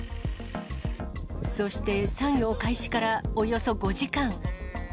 そして、作業開始からおよそ５時間。